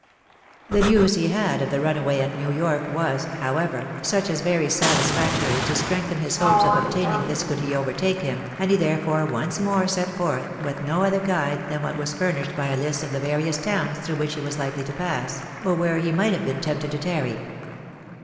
The news he had of the runaway at J^ew York was, however, such as very satisfactorily to strengthen his hopes of obtaining this could he overtake him, and he therefore once more set forth with no other guide than what was furnished by a list of the various towns through which he was likely to pass, or where he might have been tempted to tarry.